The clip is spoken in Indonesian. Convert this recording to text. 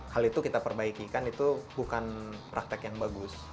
hal itu kita perbaikikan itu bukan praktek yang bagus